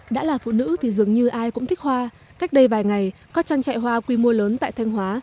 đã là phụ nữ thì dường như ai cũng thích hoa cách đây vài ngày các trang trại hoa quy mô lớn tại thanh hóa